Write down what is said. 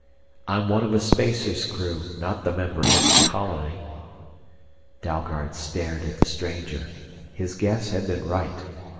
"I'm one of a spacer's crew, not the member of any colony!" Dalgard stared at the stranger. His guess had been right.